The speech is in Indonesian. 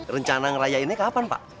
rencana ngeraya ini kapan pak